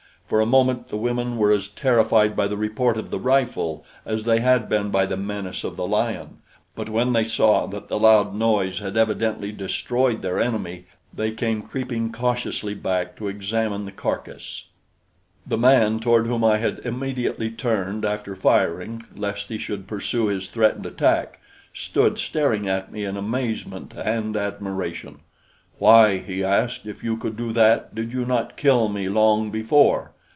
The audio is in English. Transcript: For a moment the women were as terrified by the report of the rifle as they had been by the menace of the lion; but when they saw that the loud noise had evidently destroyed their enemy, they came creeping cautiously back to examine the carcass. The man, toward whom I had immediately turned after firing, lest he should pursue his threatened attack, stood staring at me in amazement and admiration. "Why," he asked, "if you could do that, did you not kill me long before?"